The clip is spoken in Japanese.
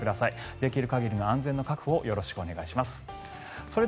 できる限りの安全の確保をよろしくお願いします。